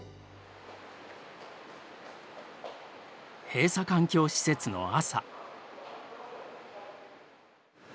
閉鎖環境施設の朝。